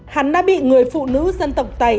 hắn đã bị người phụ nữ dân tộc tày